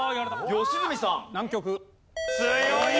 良純さん。